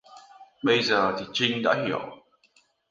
bây giờ thì Trinh đã hiểu